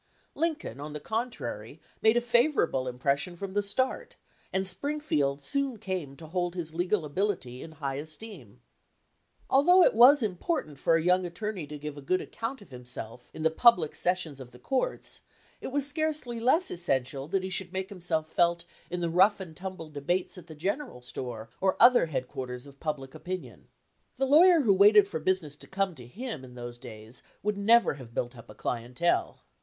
Lincoln, on the contrary, made a favorable impression from the start, and Spring field soon came to hold his legal ability in high esteem. Although it was important for a young attor ney to give a good account of himself in the public sessions of the courts, it was scarcely less essential that he should make himself felt in the rough and tumble debates at the general store or other headquarters of public opinion. The law yer who waited for business to come to him in those days would never have built up a clientele.